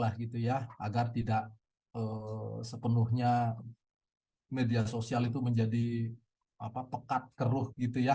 agar tidak sepenuhnya media sosial itu menjadi pekat keruh